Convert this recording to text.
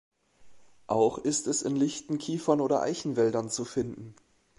Auch ist es in lichten Kiefern- oder Eichenwäldern zu finden.